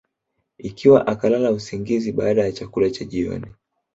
Ikiwa akalala usingizi baada ya chakula cha jioni